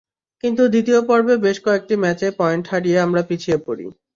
কিন্তু দ্বিতীয় পর্বে বেশ কয়েকটি ম্যাচে পয়েন্ট হারিয়ে আমরা পিছিয়ে পড়ি।